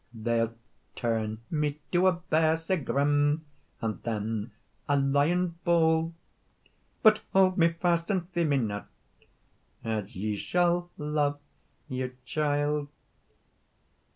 "They'll turn me to a bear sae grim, And then a lion bold; But hold me fast, and fear me not, As ye shall love your child.